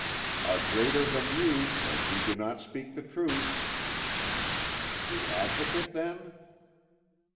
"A greater than you, or you do not speak the truth." "The Advocate, then?"